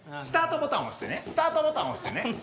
スタートボタン押してねスタートボタン押してね。